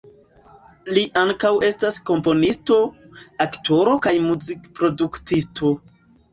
Li ankaŭ estas komponisto, aktoro kaj muzikproduktisto.